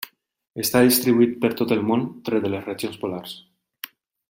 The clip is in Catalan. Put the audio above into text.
Està distribuït per tot el món, tret de les regions polars.